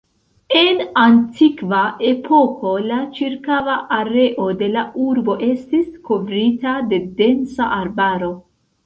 En antikva epoko la ĉirkaŭa areo de la urbo estis kovrita de densa arbaro.